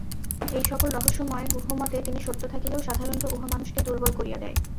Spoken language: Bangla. এই-সকল রহস্যময় গুহ্য মতে কিছু সত্য থাকিলেও সাধারণত উহা মানুষকে দুর্বল করিয়া দেয়।